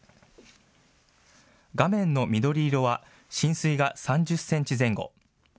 画面の緑色は浸水が３０センチ前後。